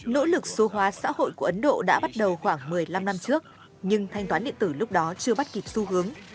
nỗ lực số hóa xã hội của ấn độ đã bắt đầu khoảng một mươi năm năm trước nhưng thanh toán điện tử lúc đó chưa bắt kịp xu hướng